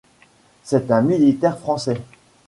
C'est un militaire français.